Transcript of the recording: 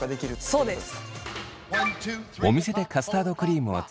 そうです。